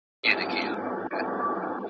نه یې شور سته د بلبلو نه یې شرنګ سته د غزلو ..